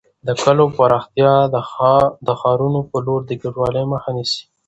د کليو پراختیا د ښارونو پر لور د کډوالۍ مخه نیسي.